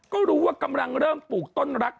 ก็รู้ว่ากำลังเริ่มปลูกต้นรัก